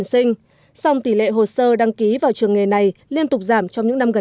xen lẫn trong đó